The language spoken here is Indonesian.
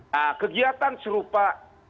nah kegiatan serupa